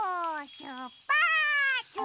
しゅっぱつ！